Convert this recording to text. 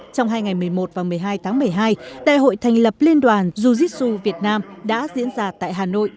trong hai ngày một mươi một và một mươi hai tháng một mươi hai đại hội thành lập liên đoàn ju jitsu việt nam đã diễn ra tại hà nội